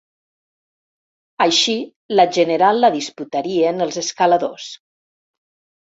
Així la general la disputarien els escaladors.